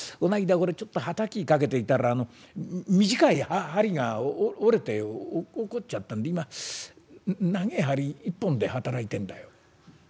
これちょっとはたきかけといたら短い針が折れて落っこっちゃったんで今長え針一本で働いてんだよ」。